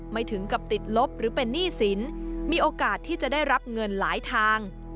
ถึงกับติดลบหรือเป็นหนี้สินมีโอกาสที่จะได้รับเงินหลายทาง